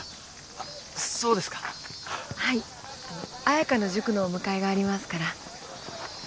彩香の塾のお迎えがありますから。